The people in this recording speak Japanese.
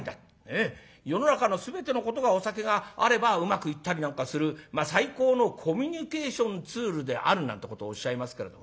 世の中の全てのことがお酒があればうまくいったりなんかするまあ最高のコミュニケーションツールであるなんてことをおっしゃいますけれどもね。